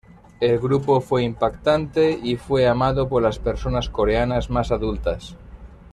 El grupo fue impactante y fue amado por las personas coreanas más adultas.